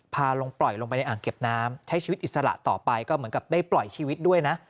พาลงปล่อยลงไปในอ่างเก็บน้ำใช้ชีวิตอิสระต่อไปก็เหมือนกับได้ปล่อยชีวิตด้วยนะ